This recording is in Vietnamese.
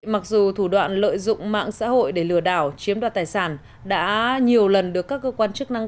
mặc dù thủ đoạn lợi dụng mạng xã hội để lừa đảo chiếm đoạt tài sản đã nhiều lần được các cơ quan chức năng